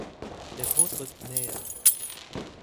Der Tod rückt näher.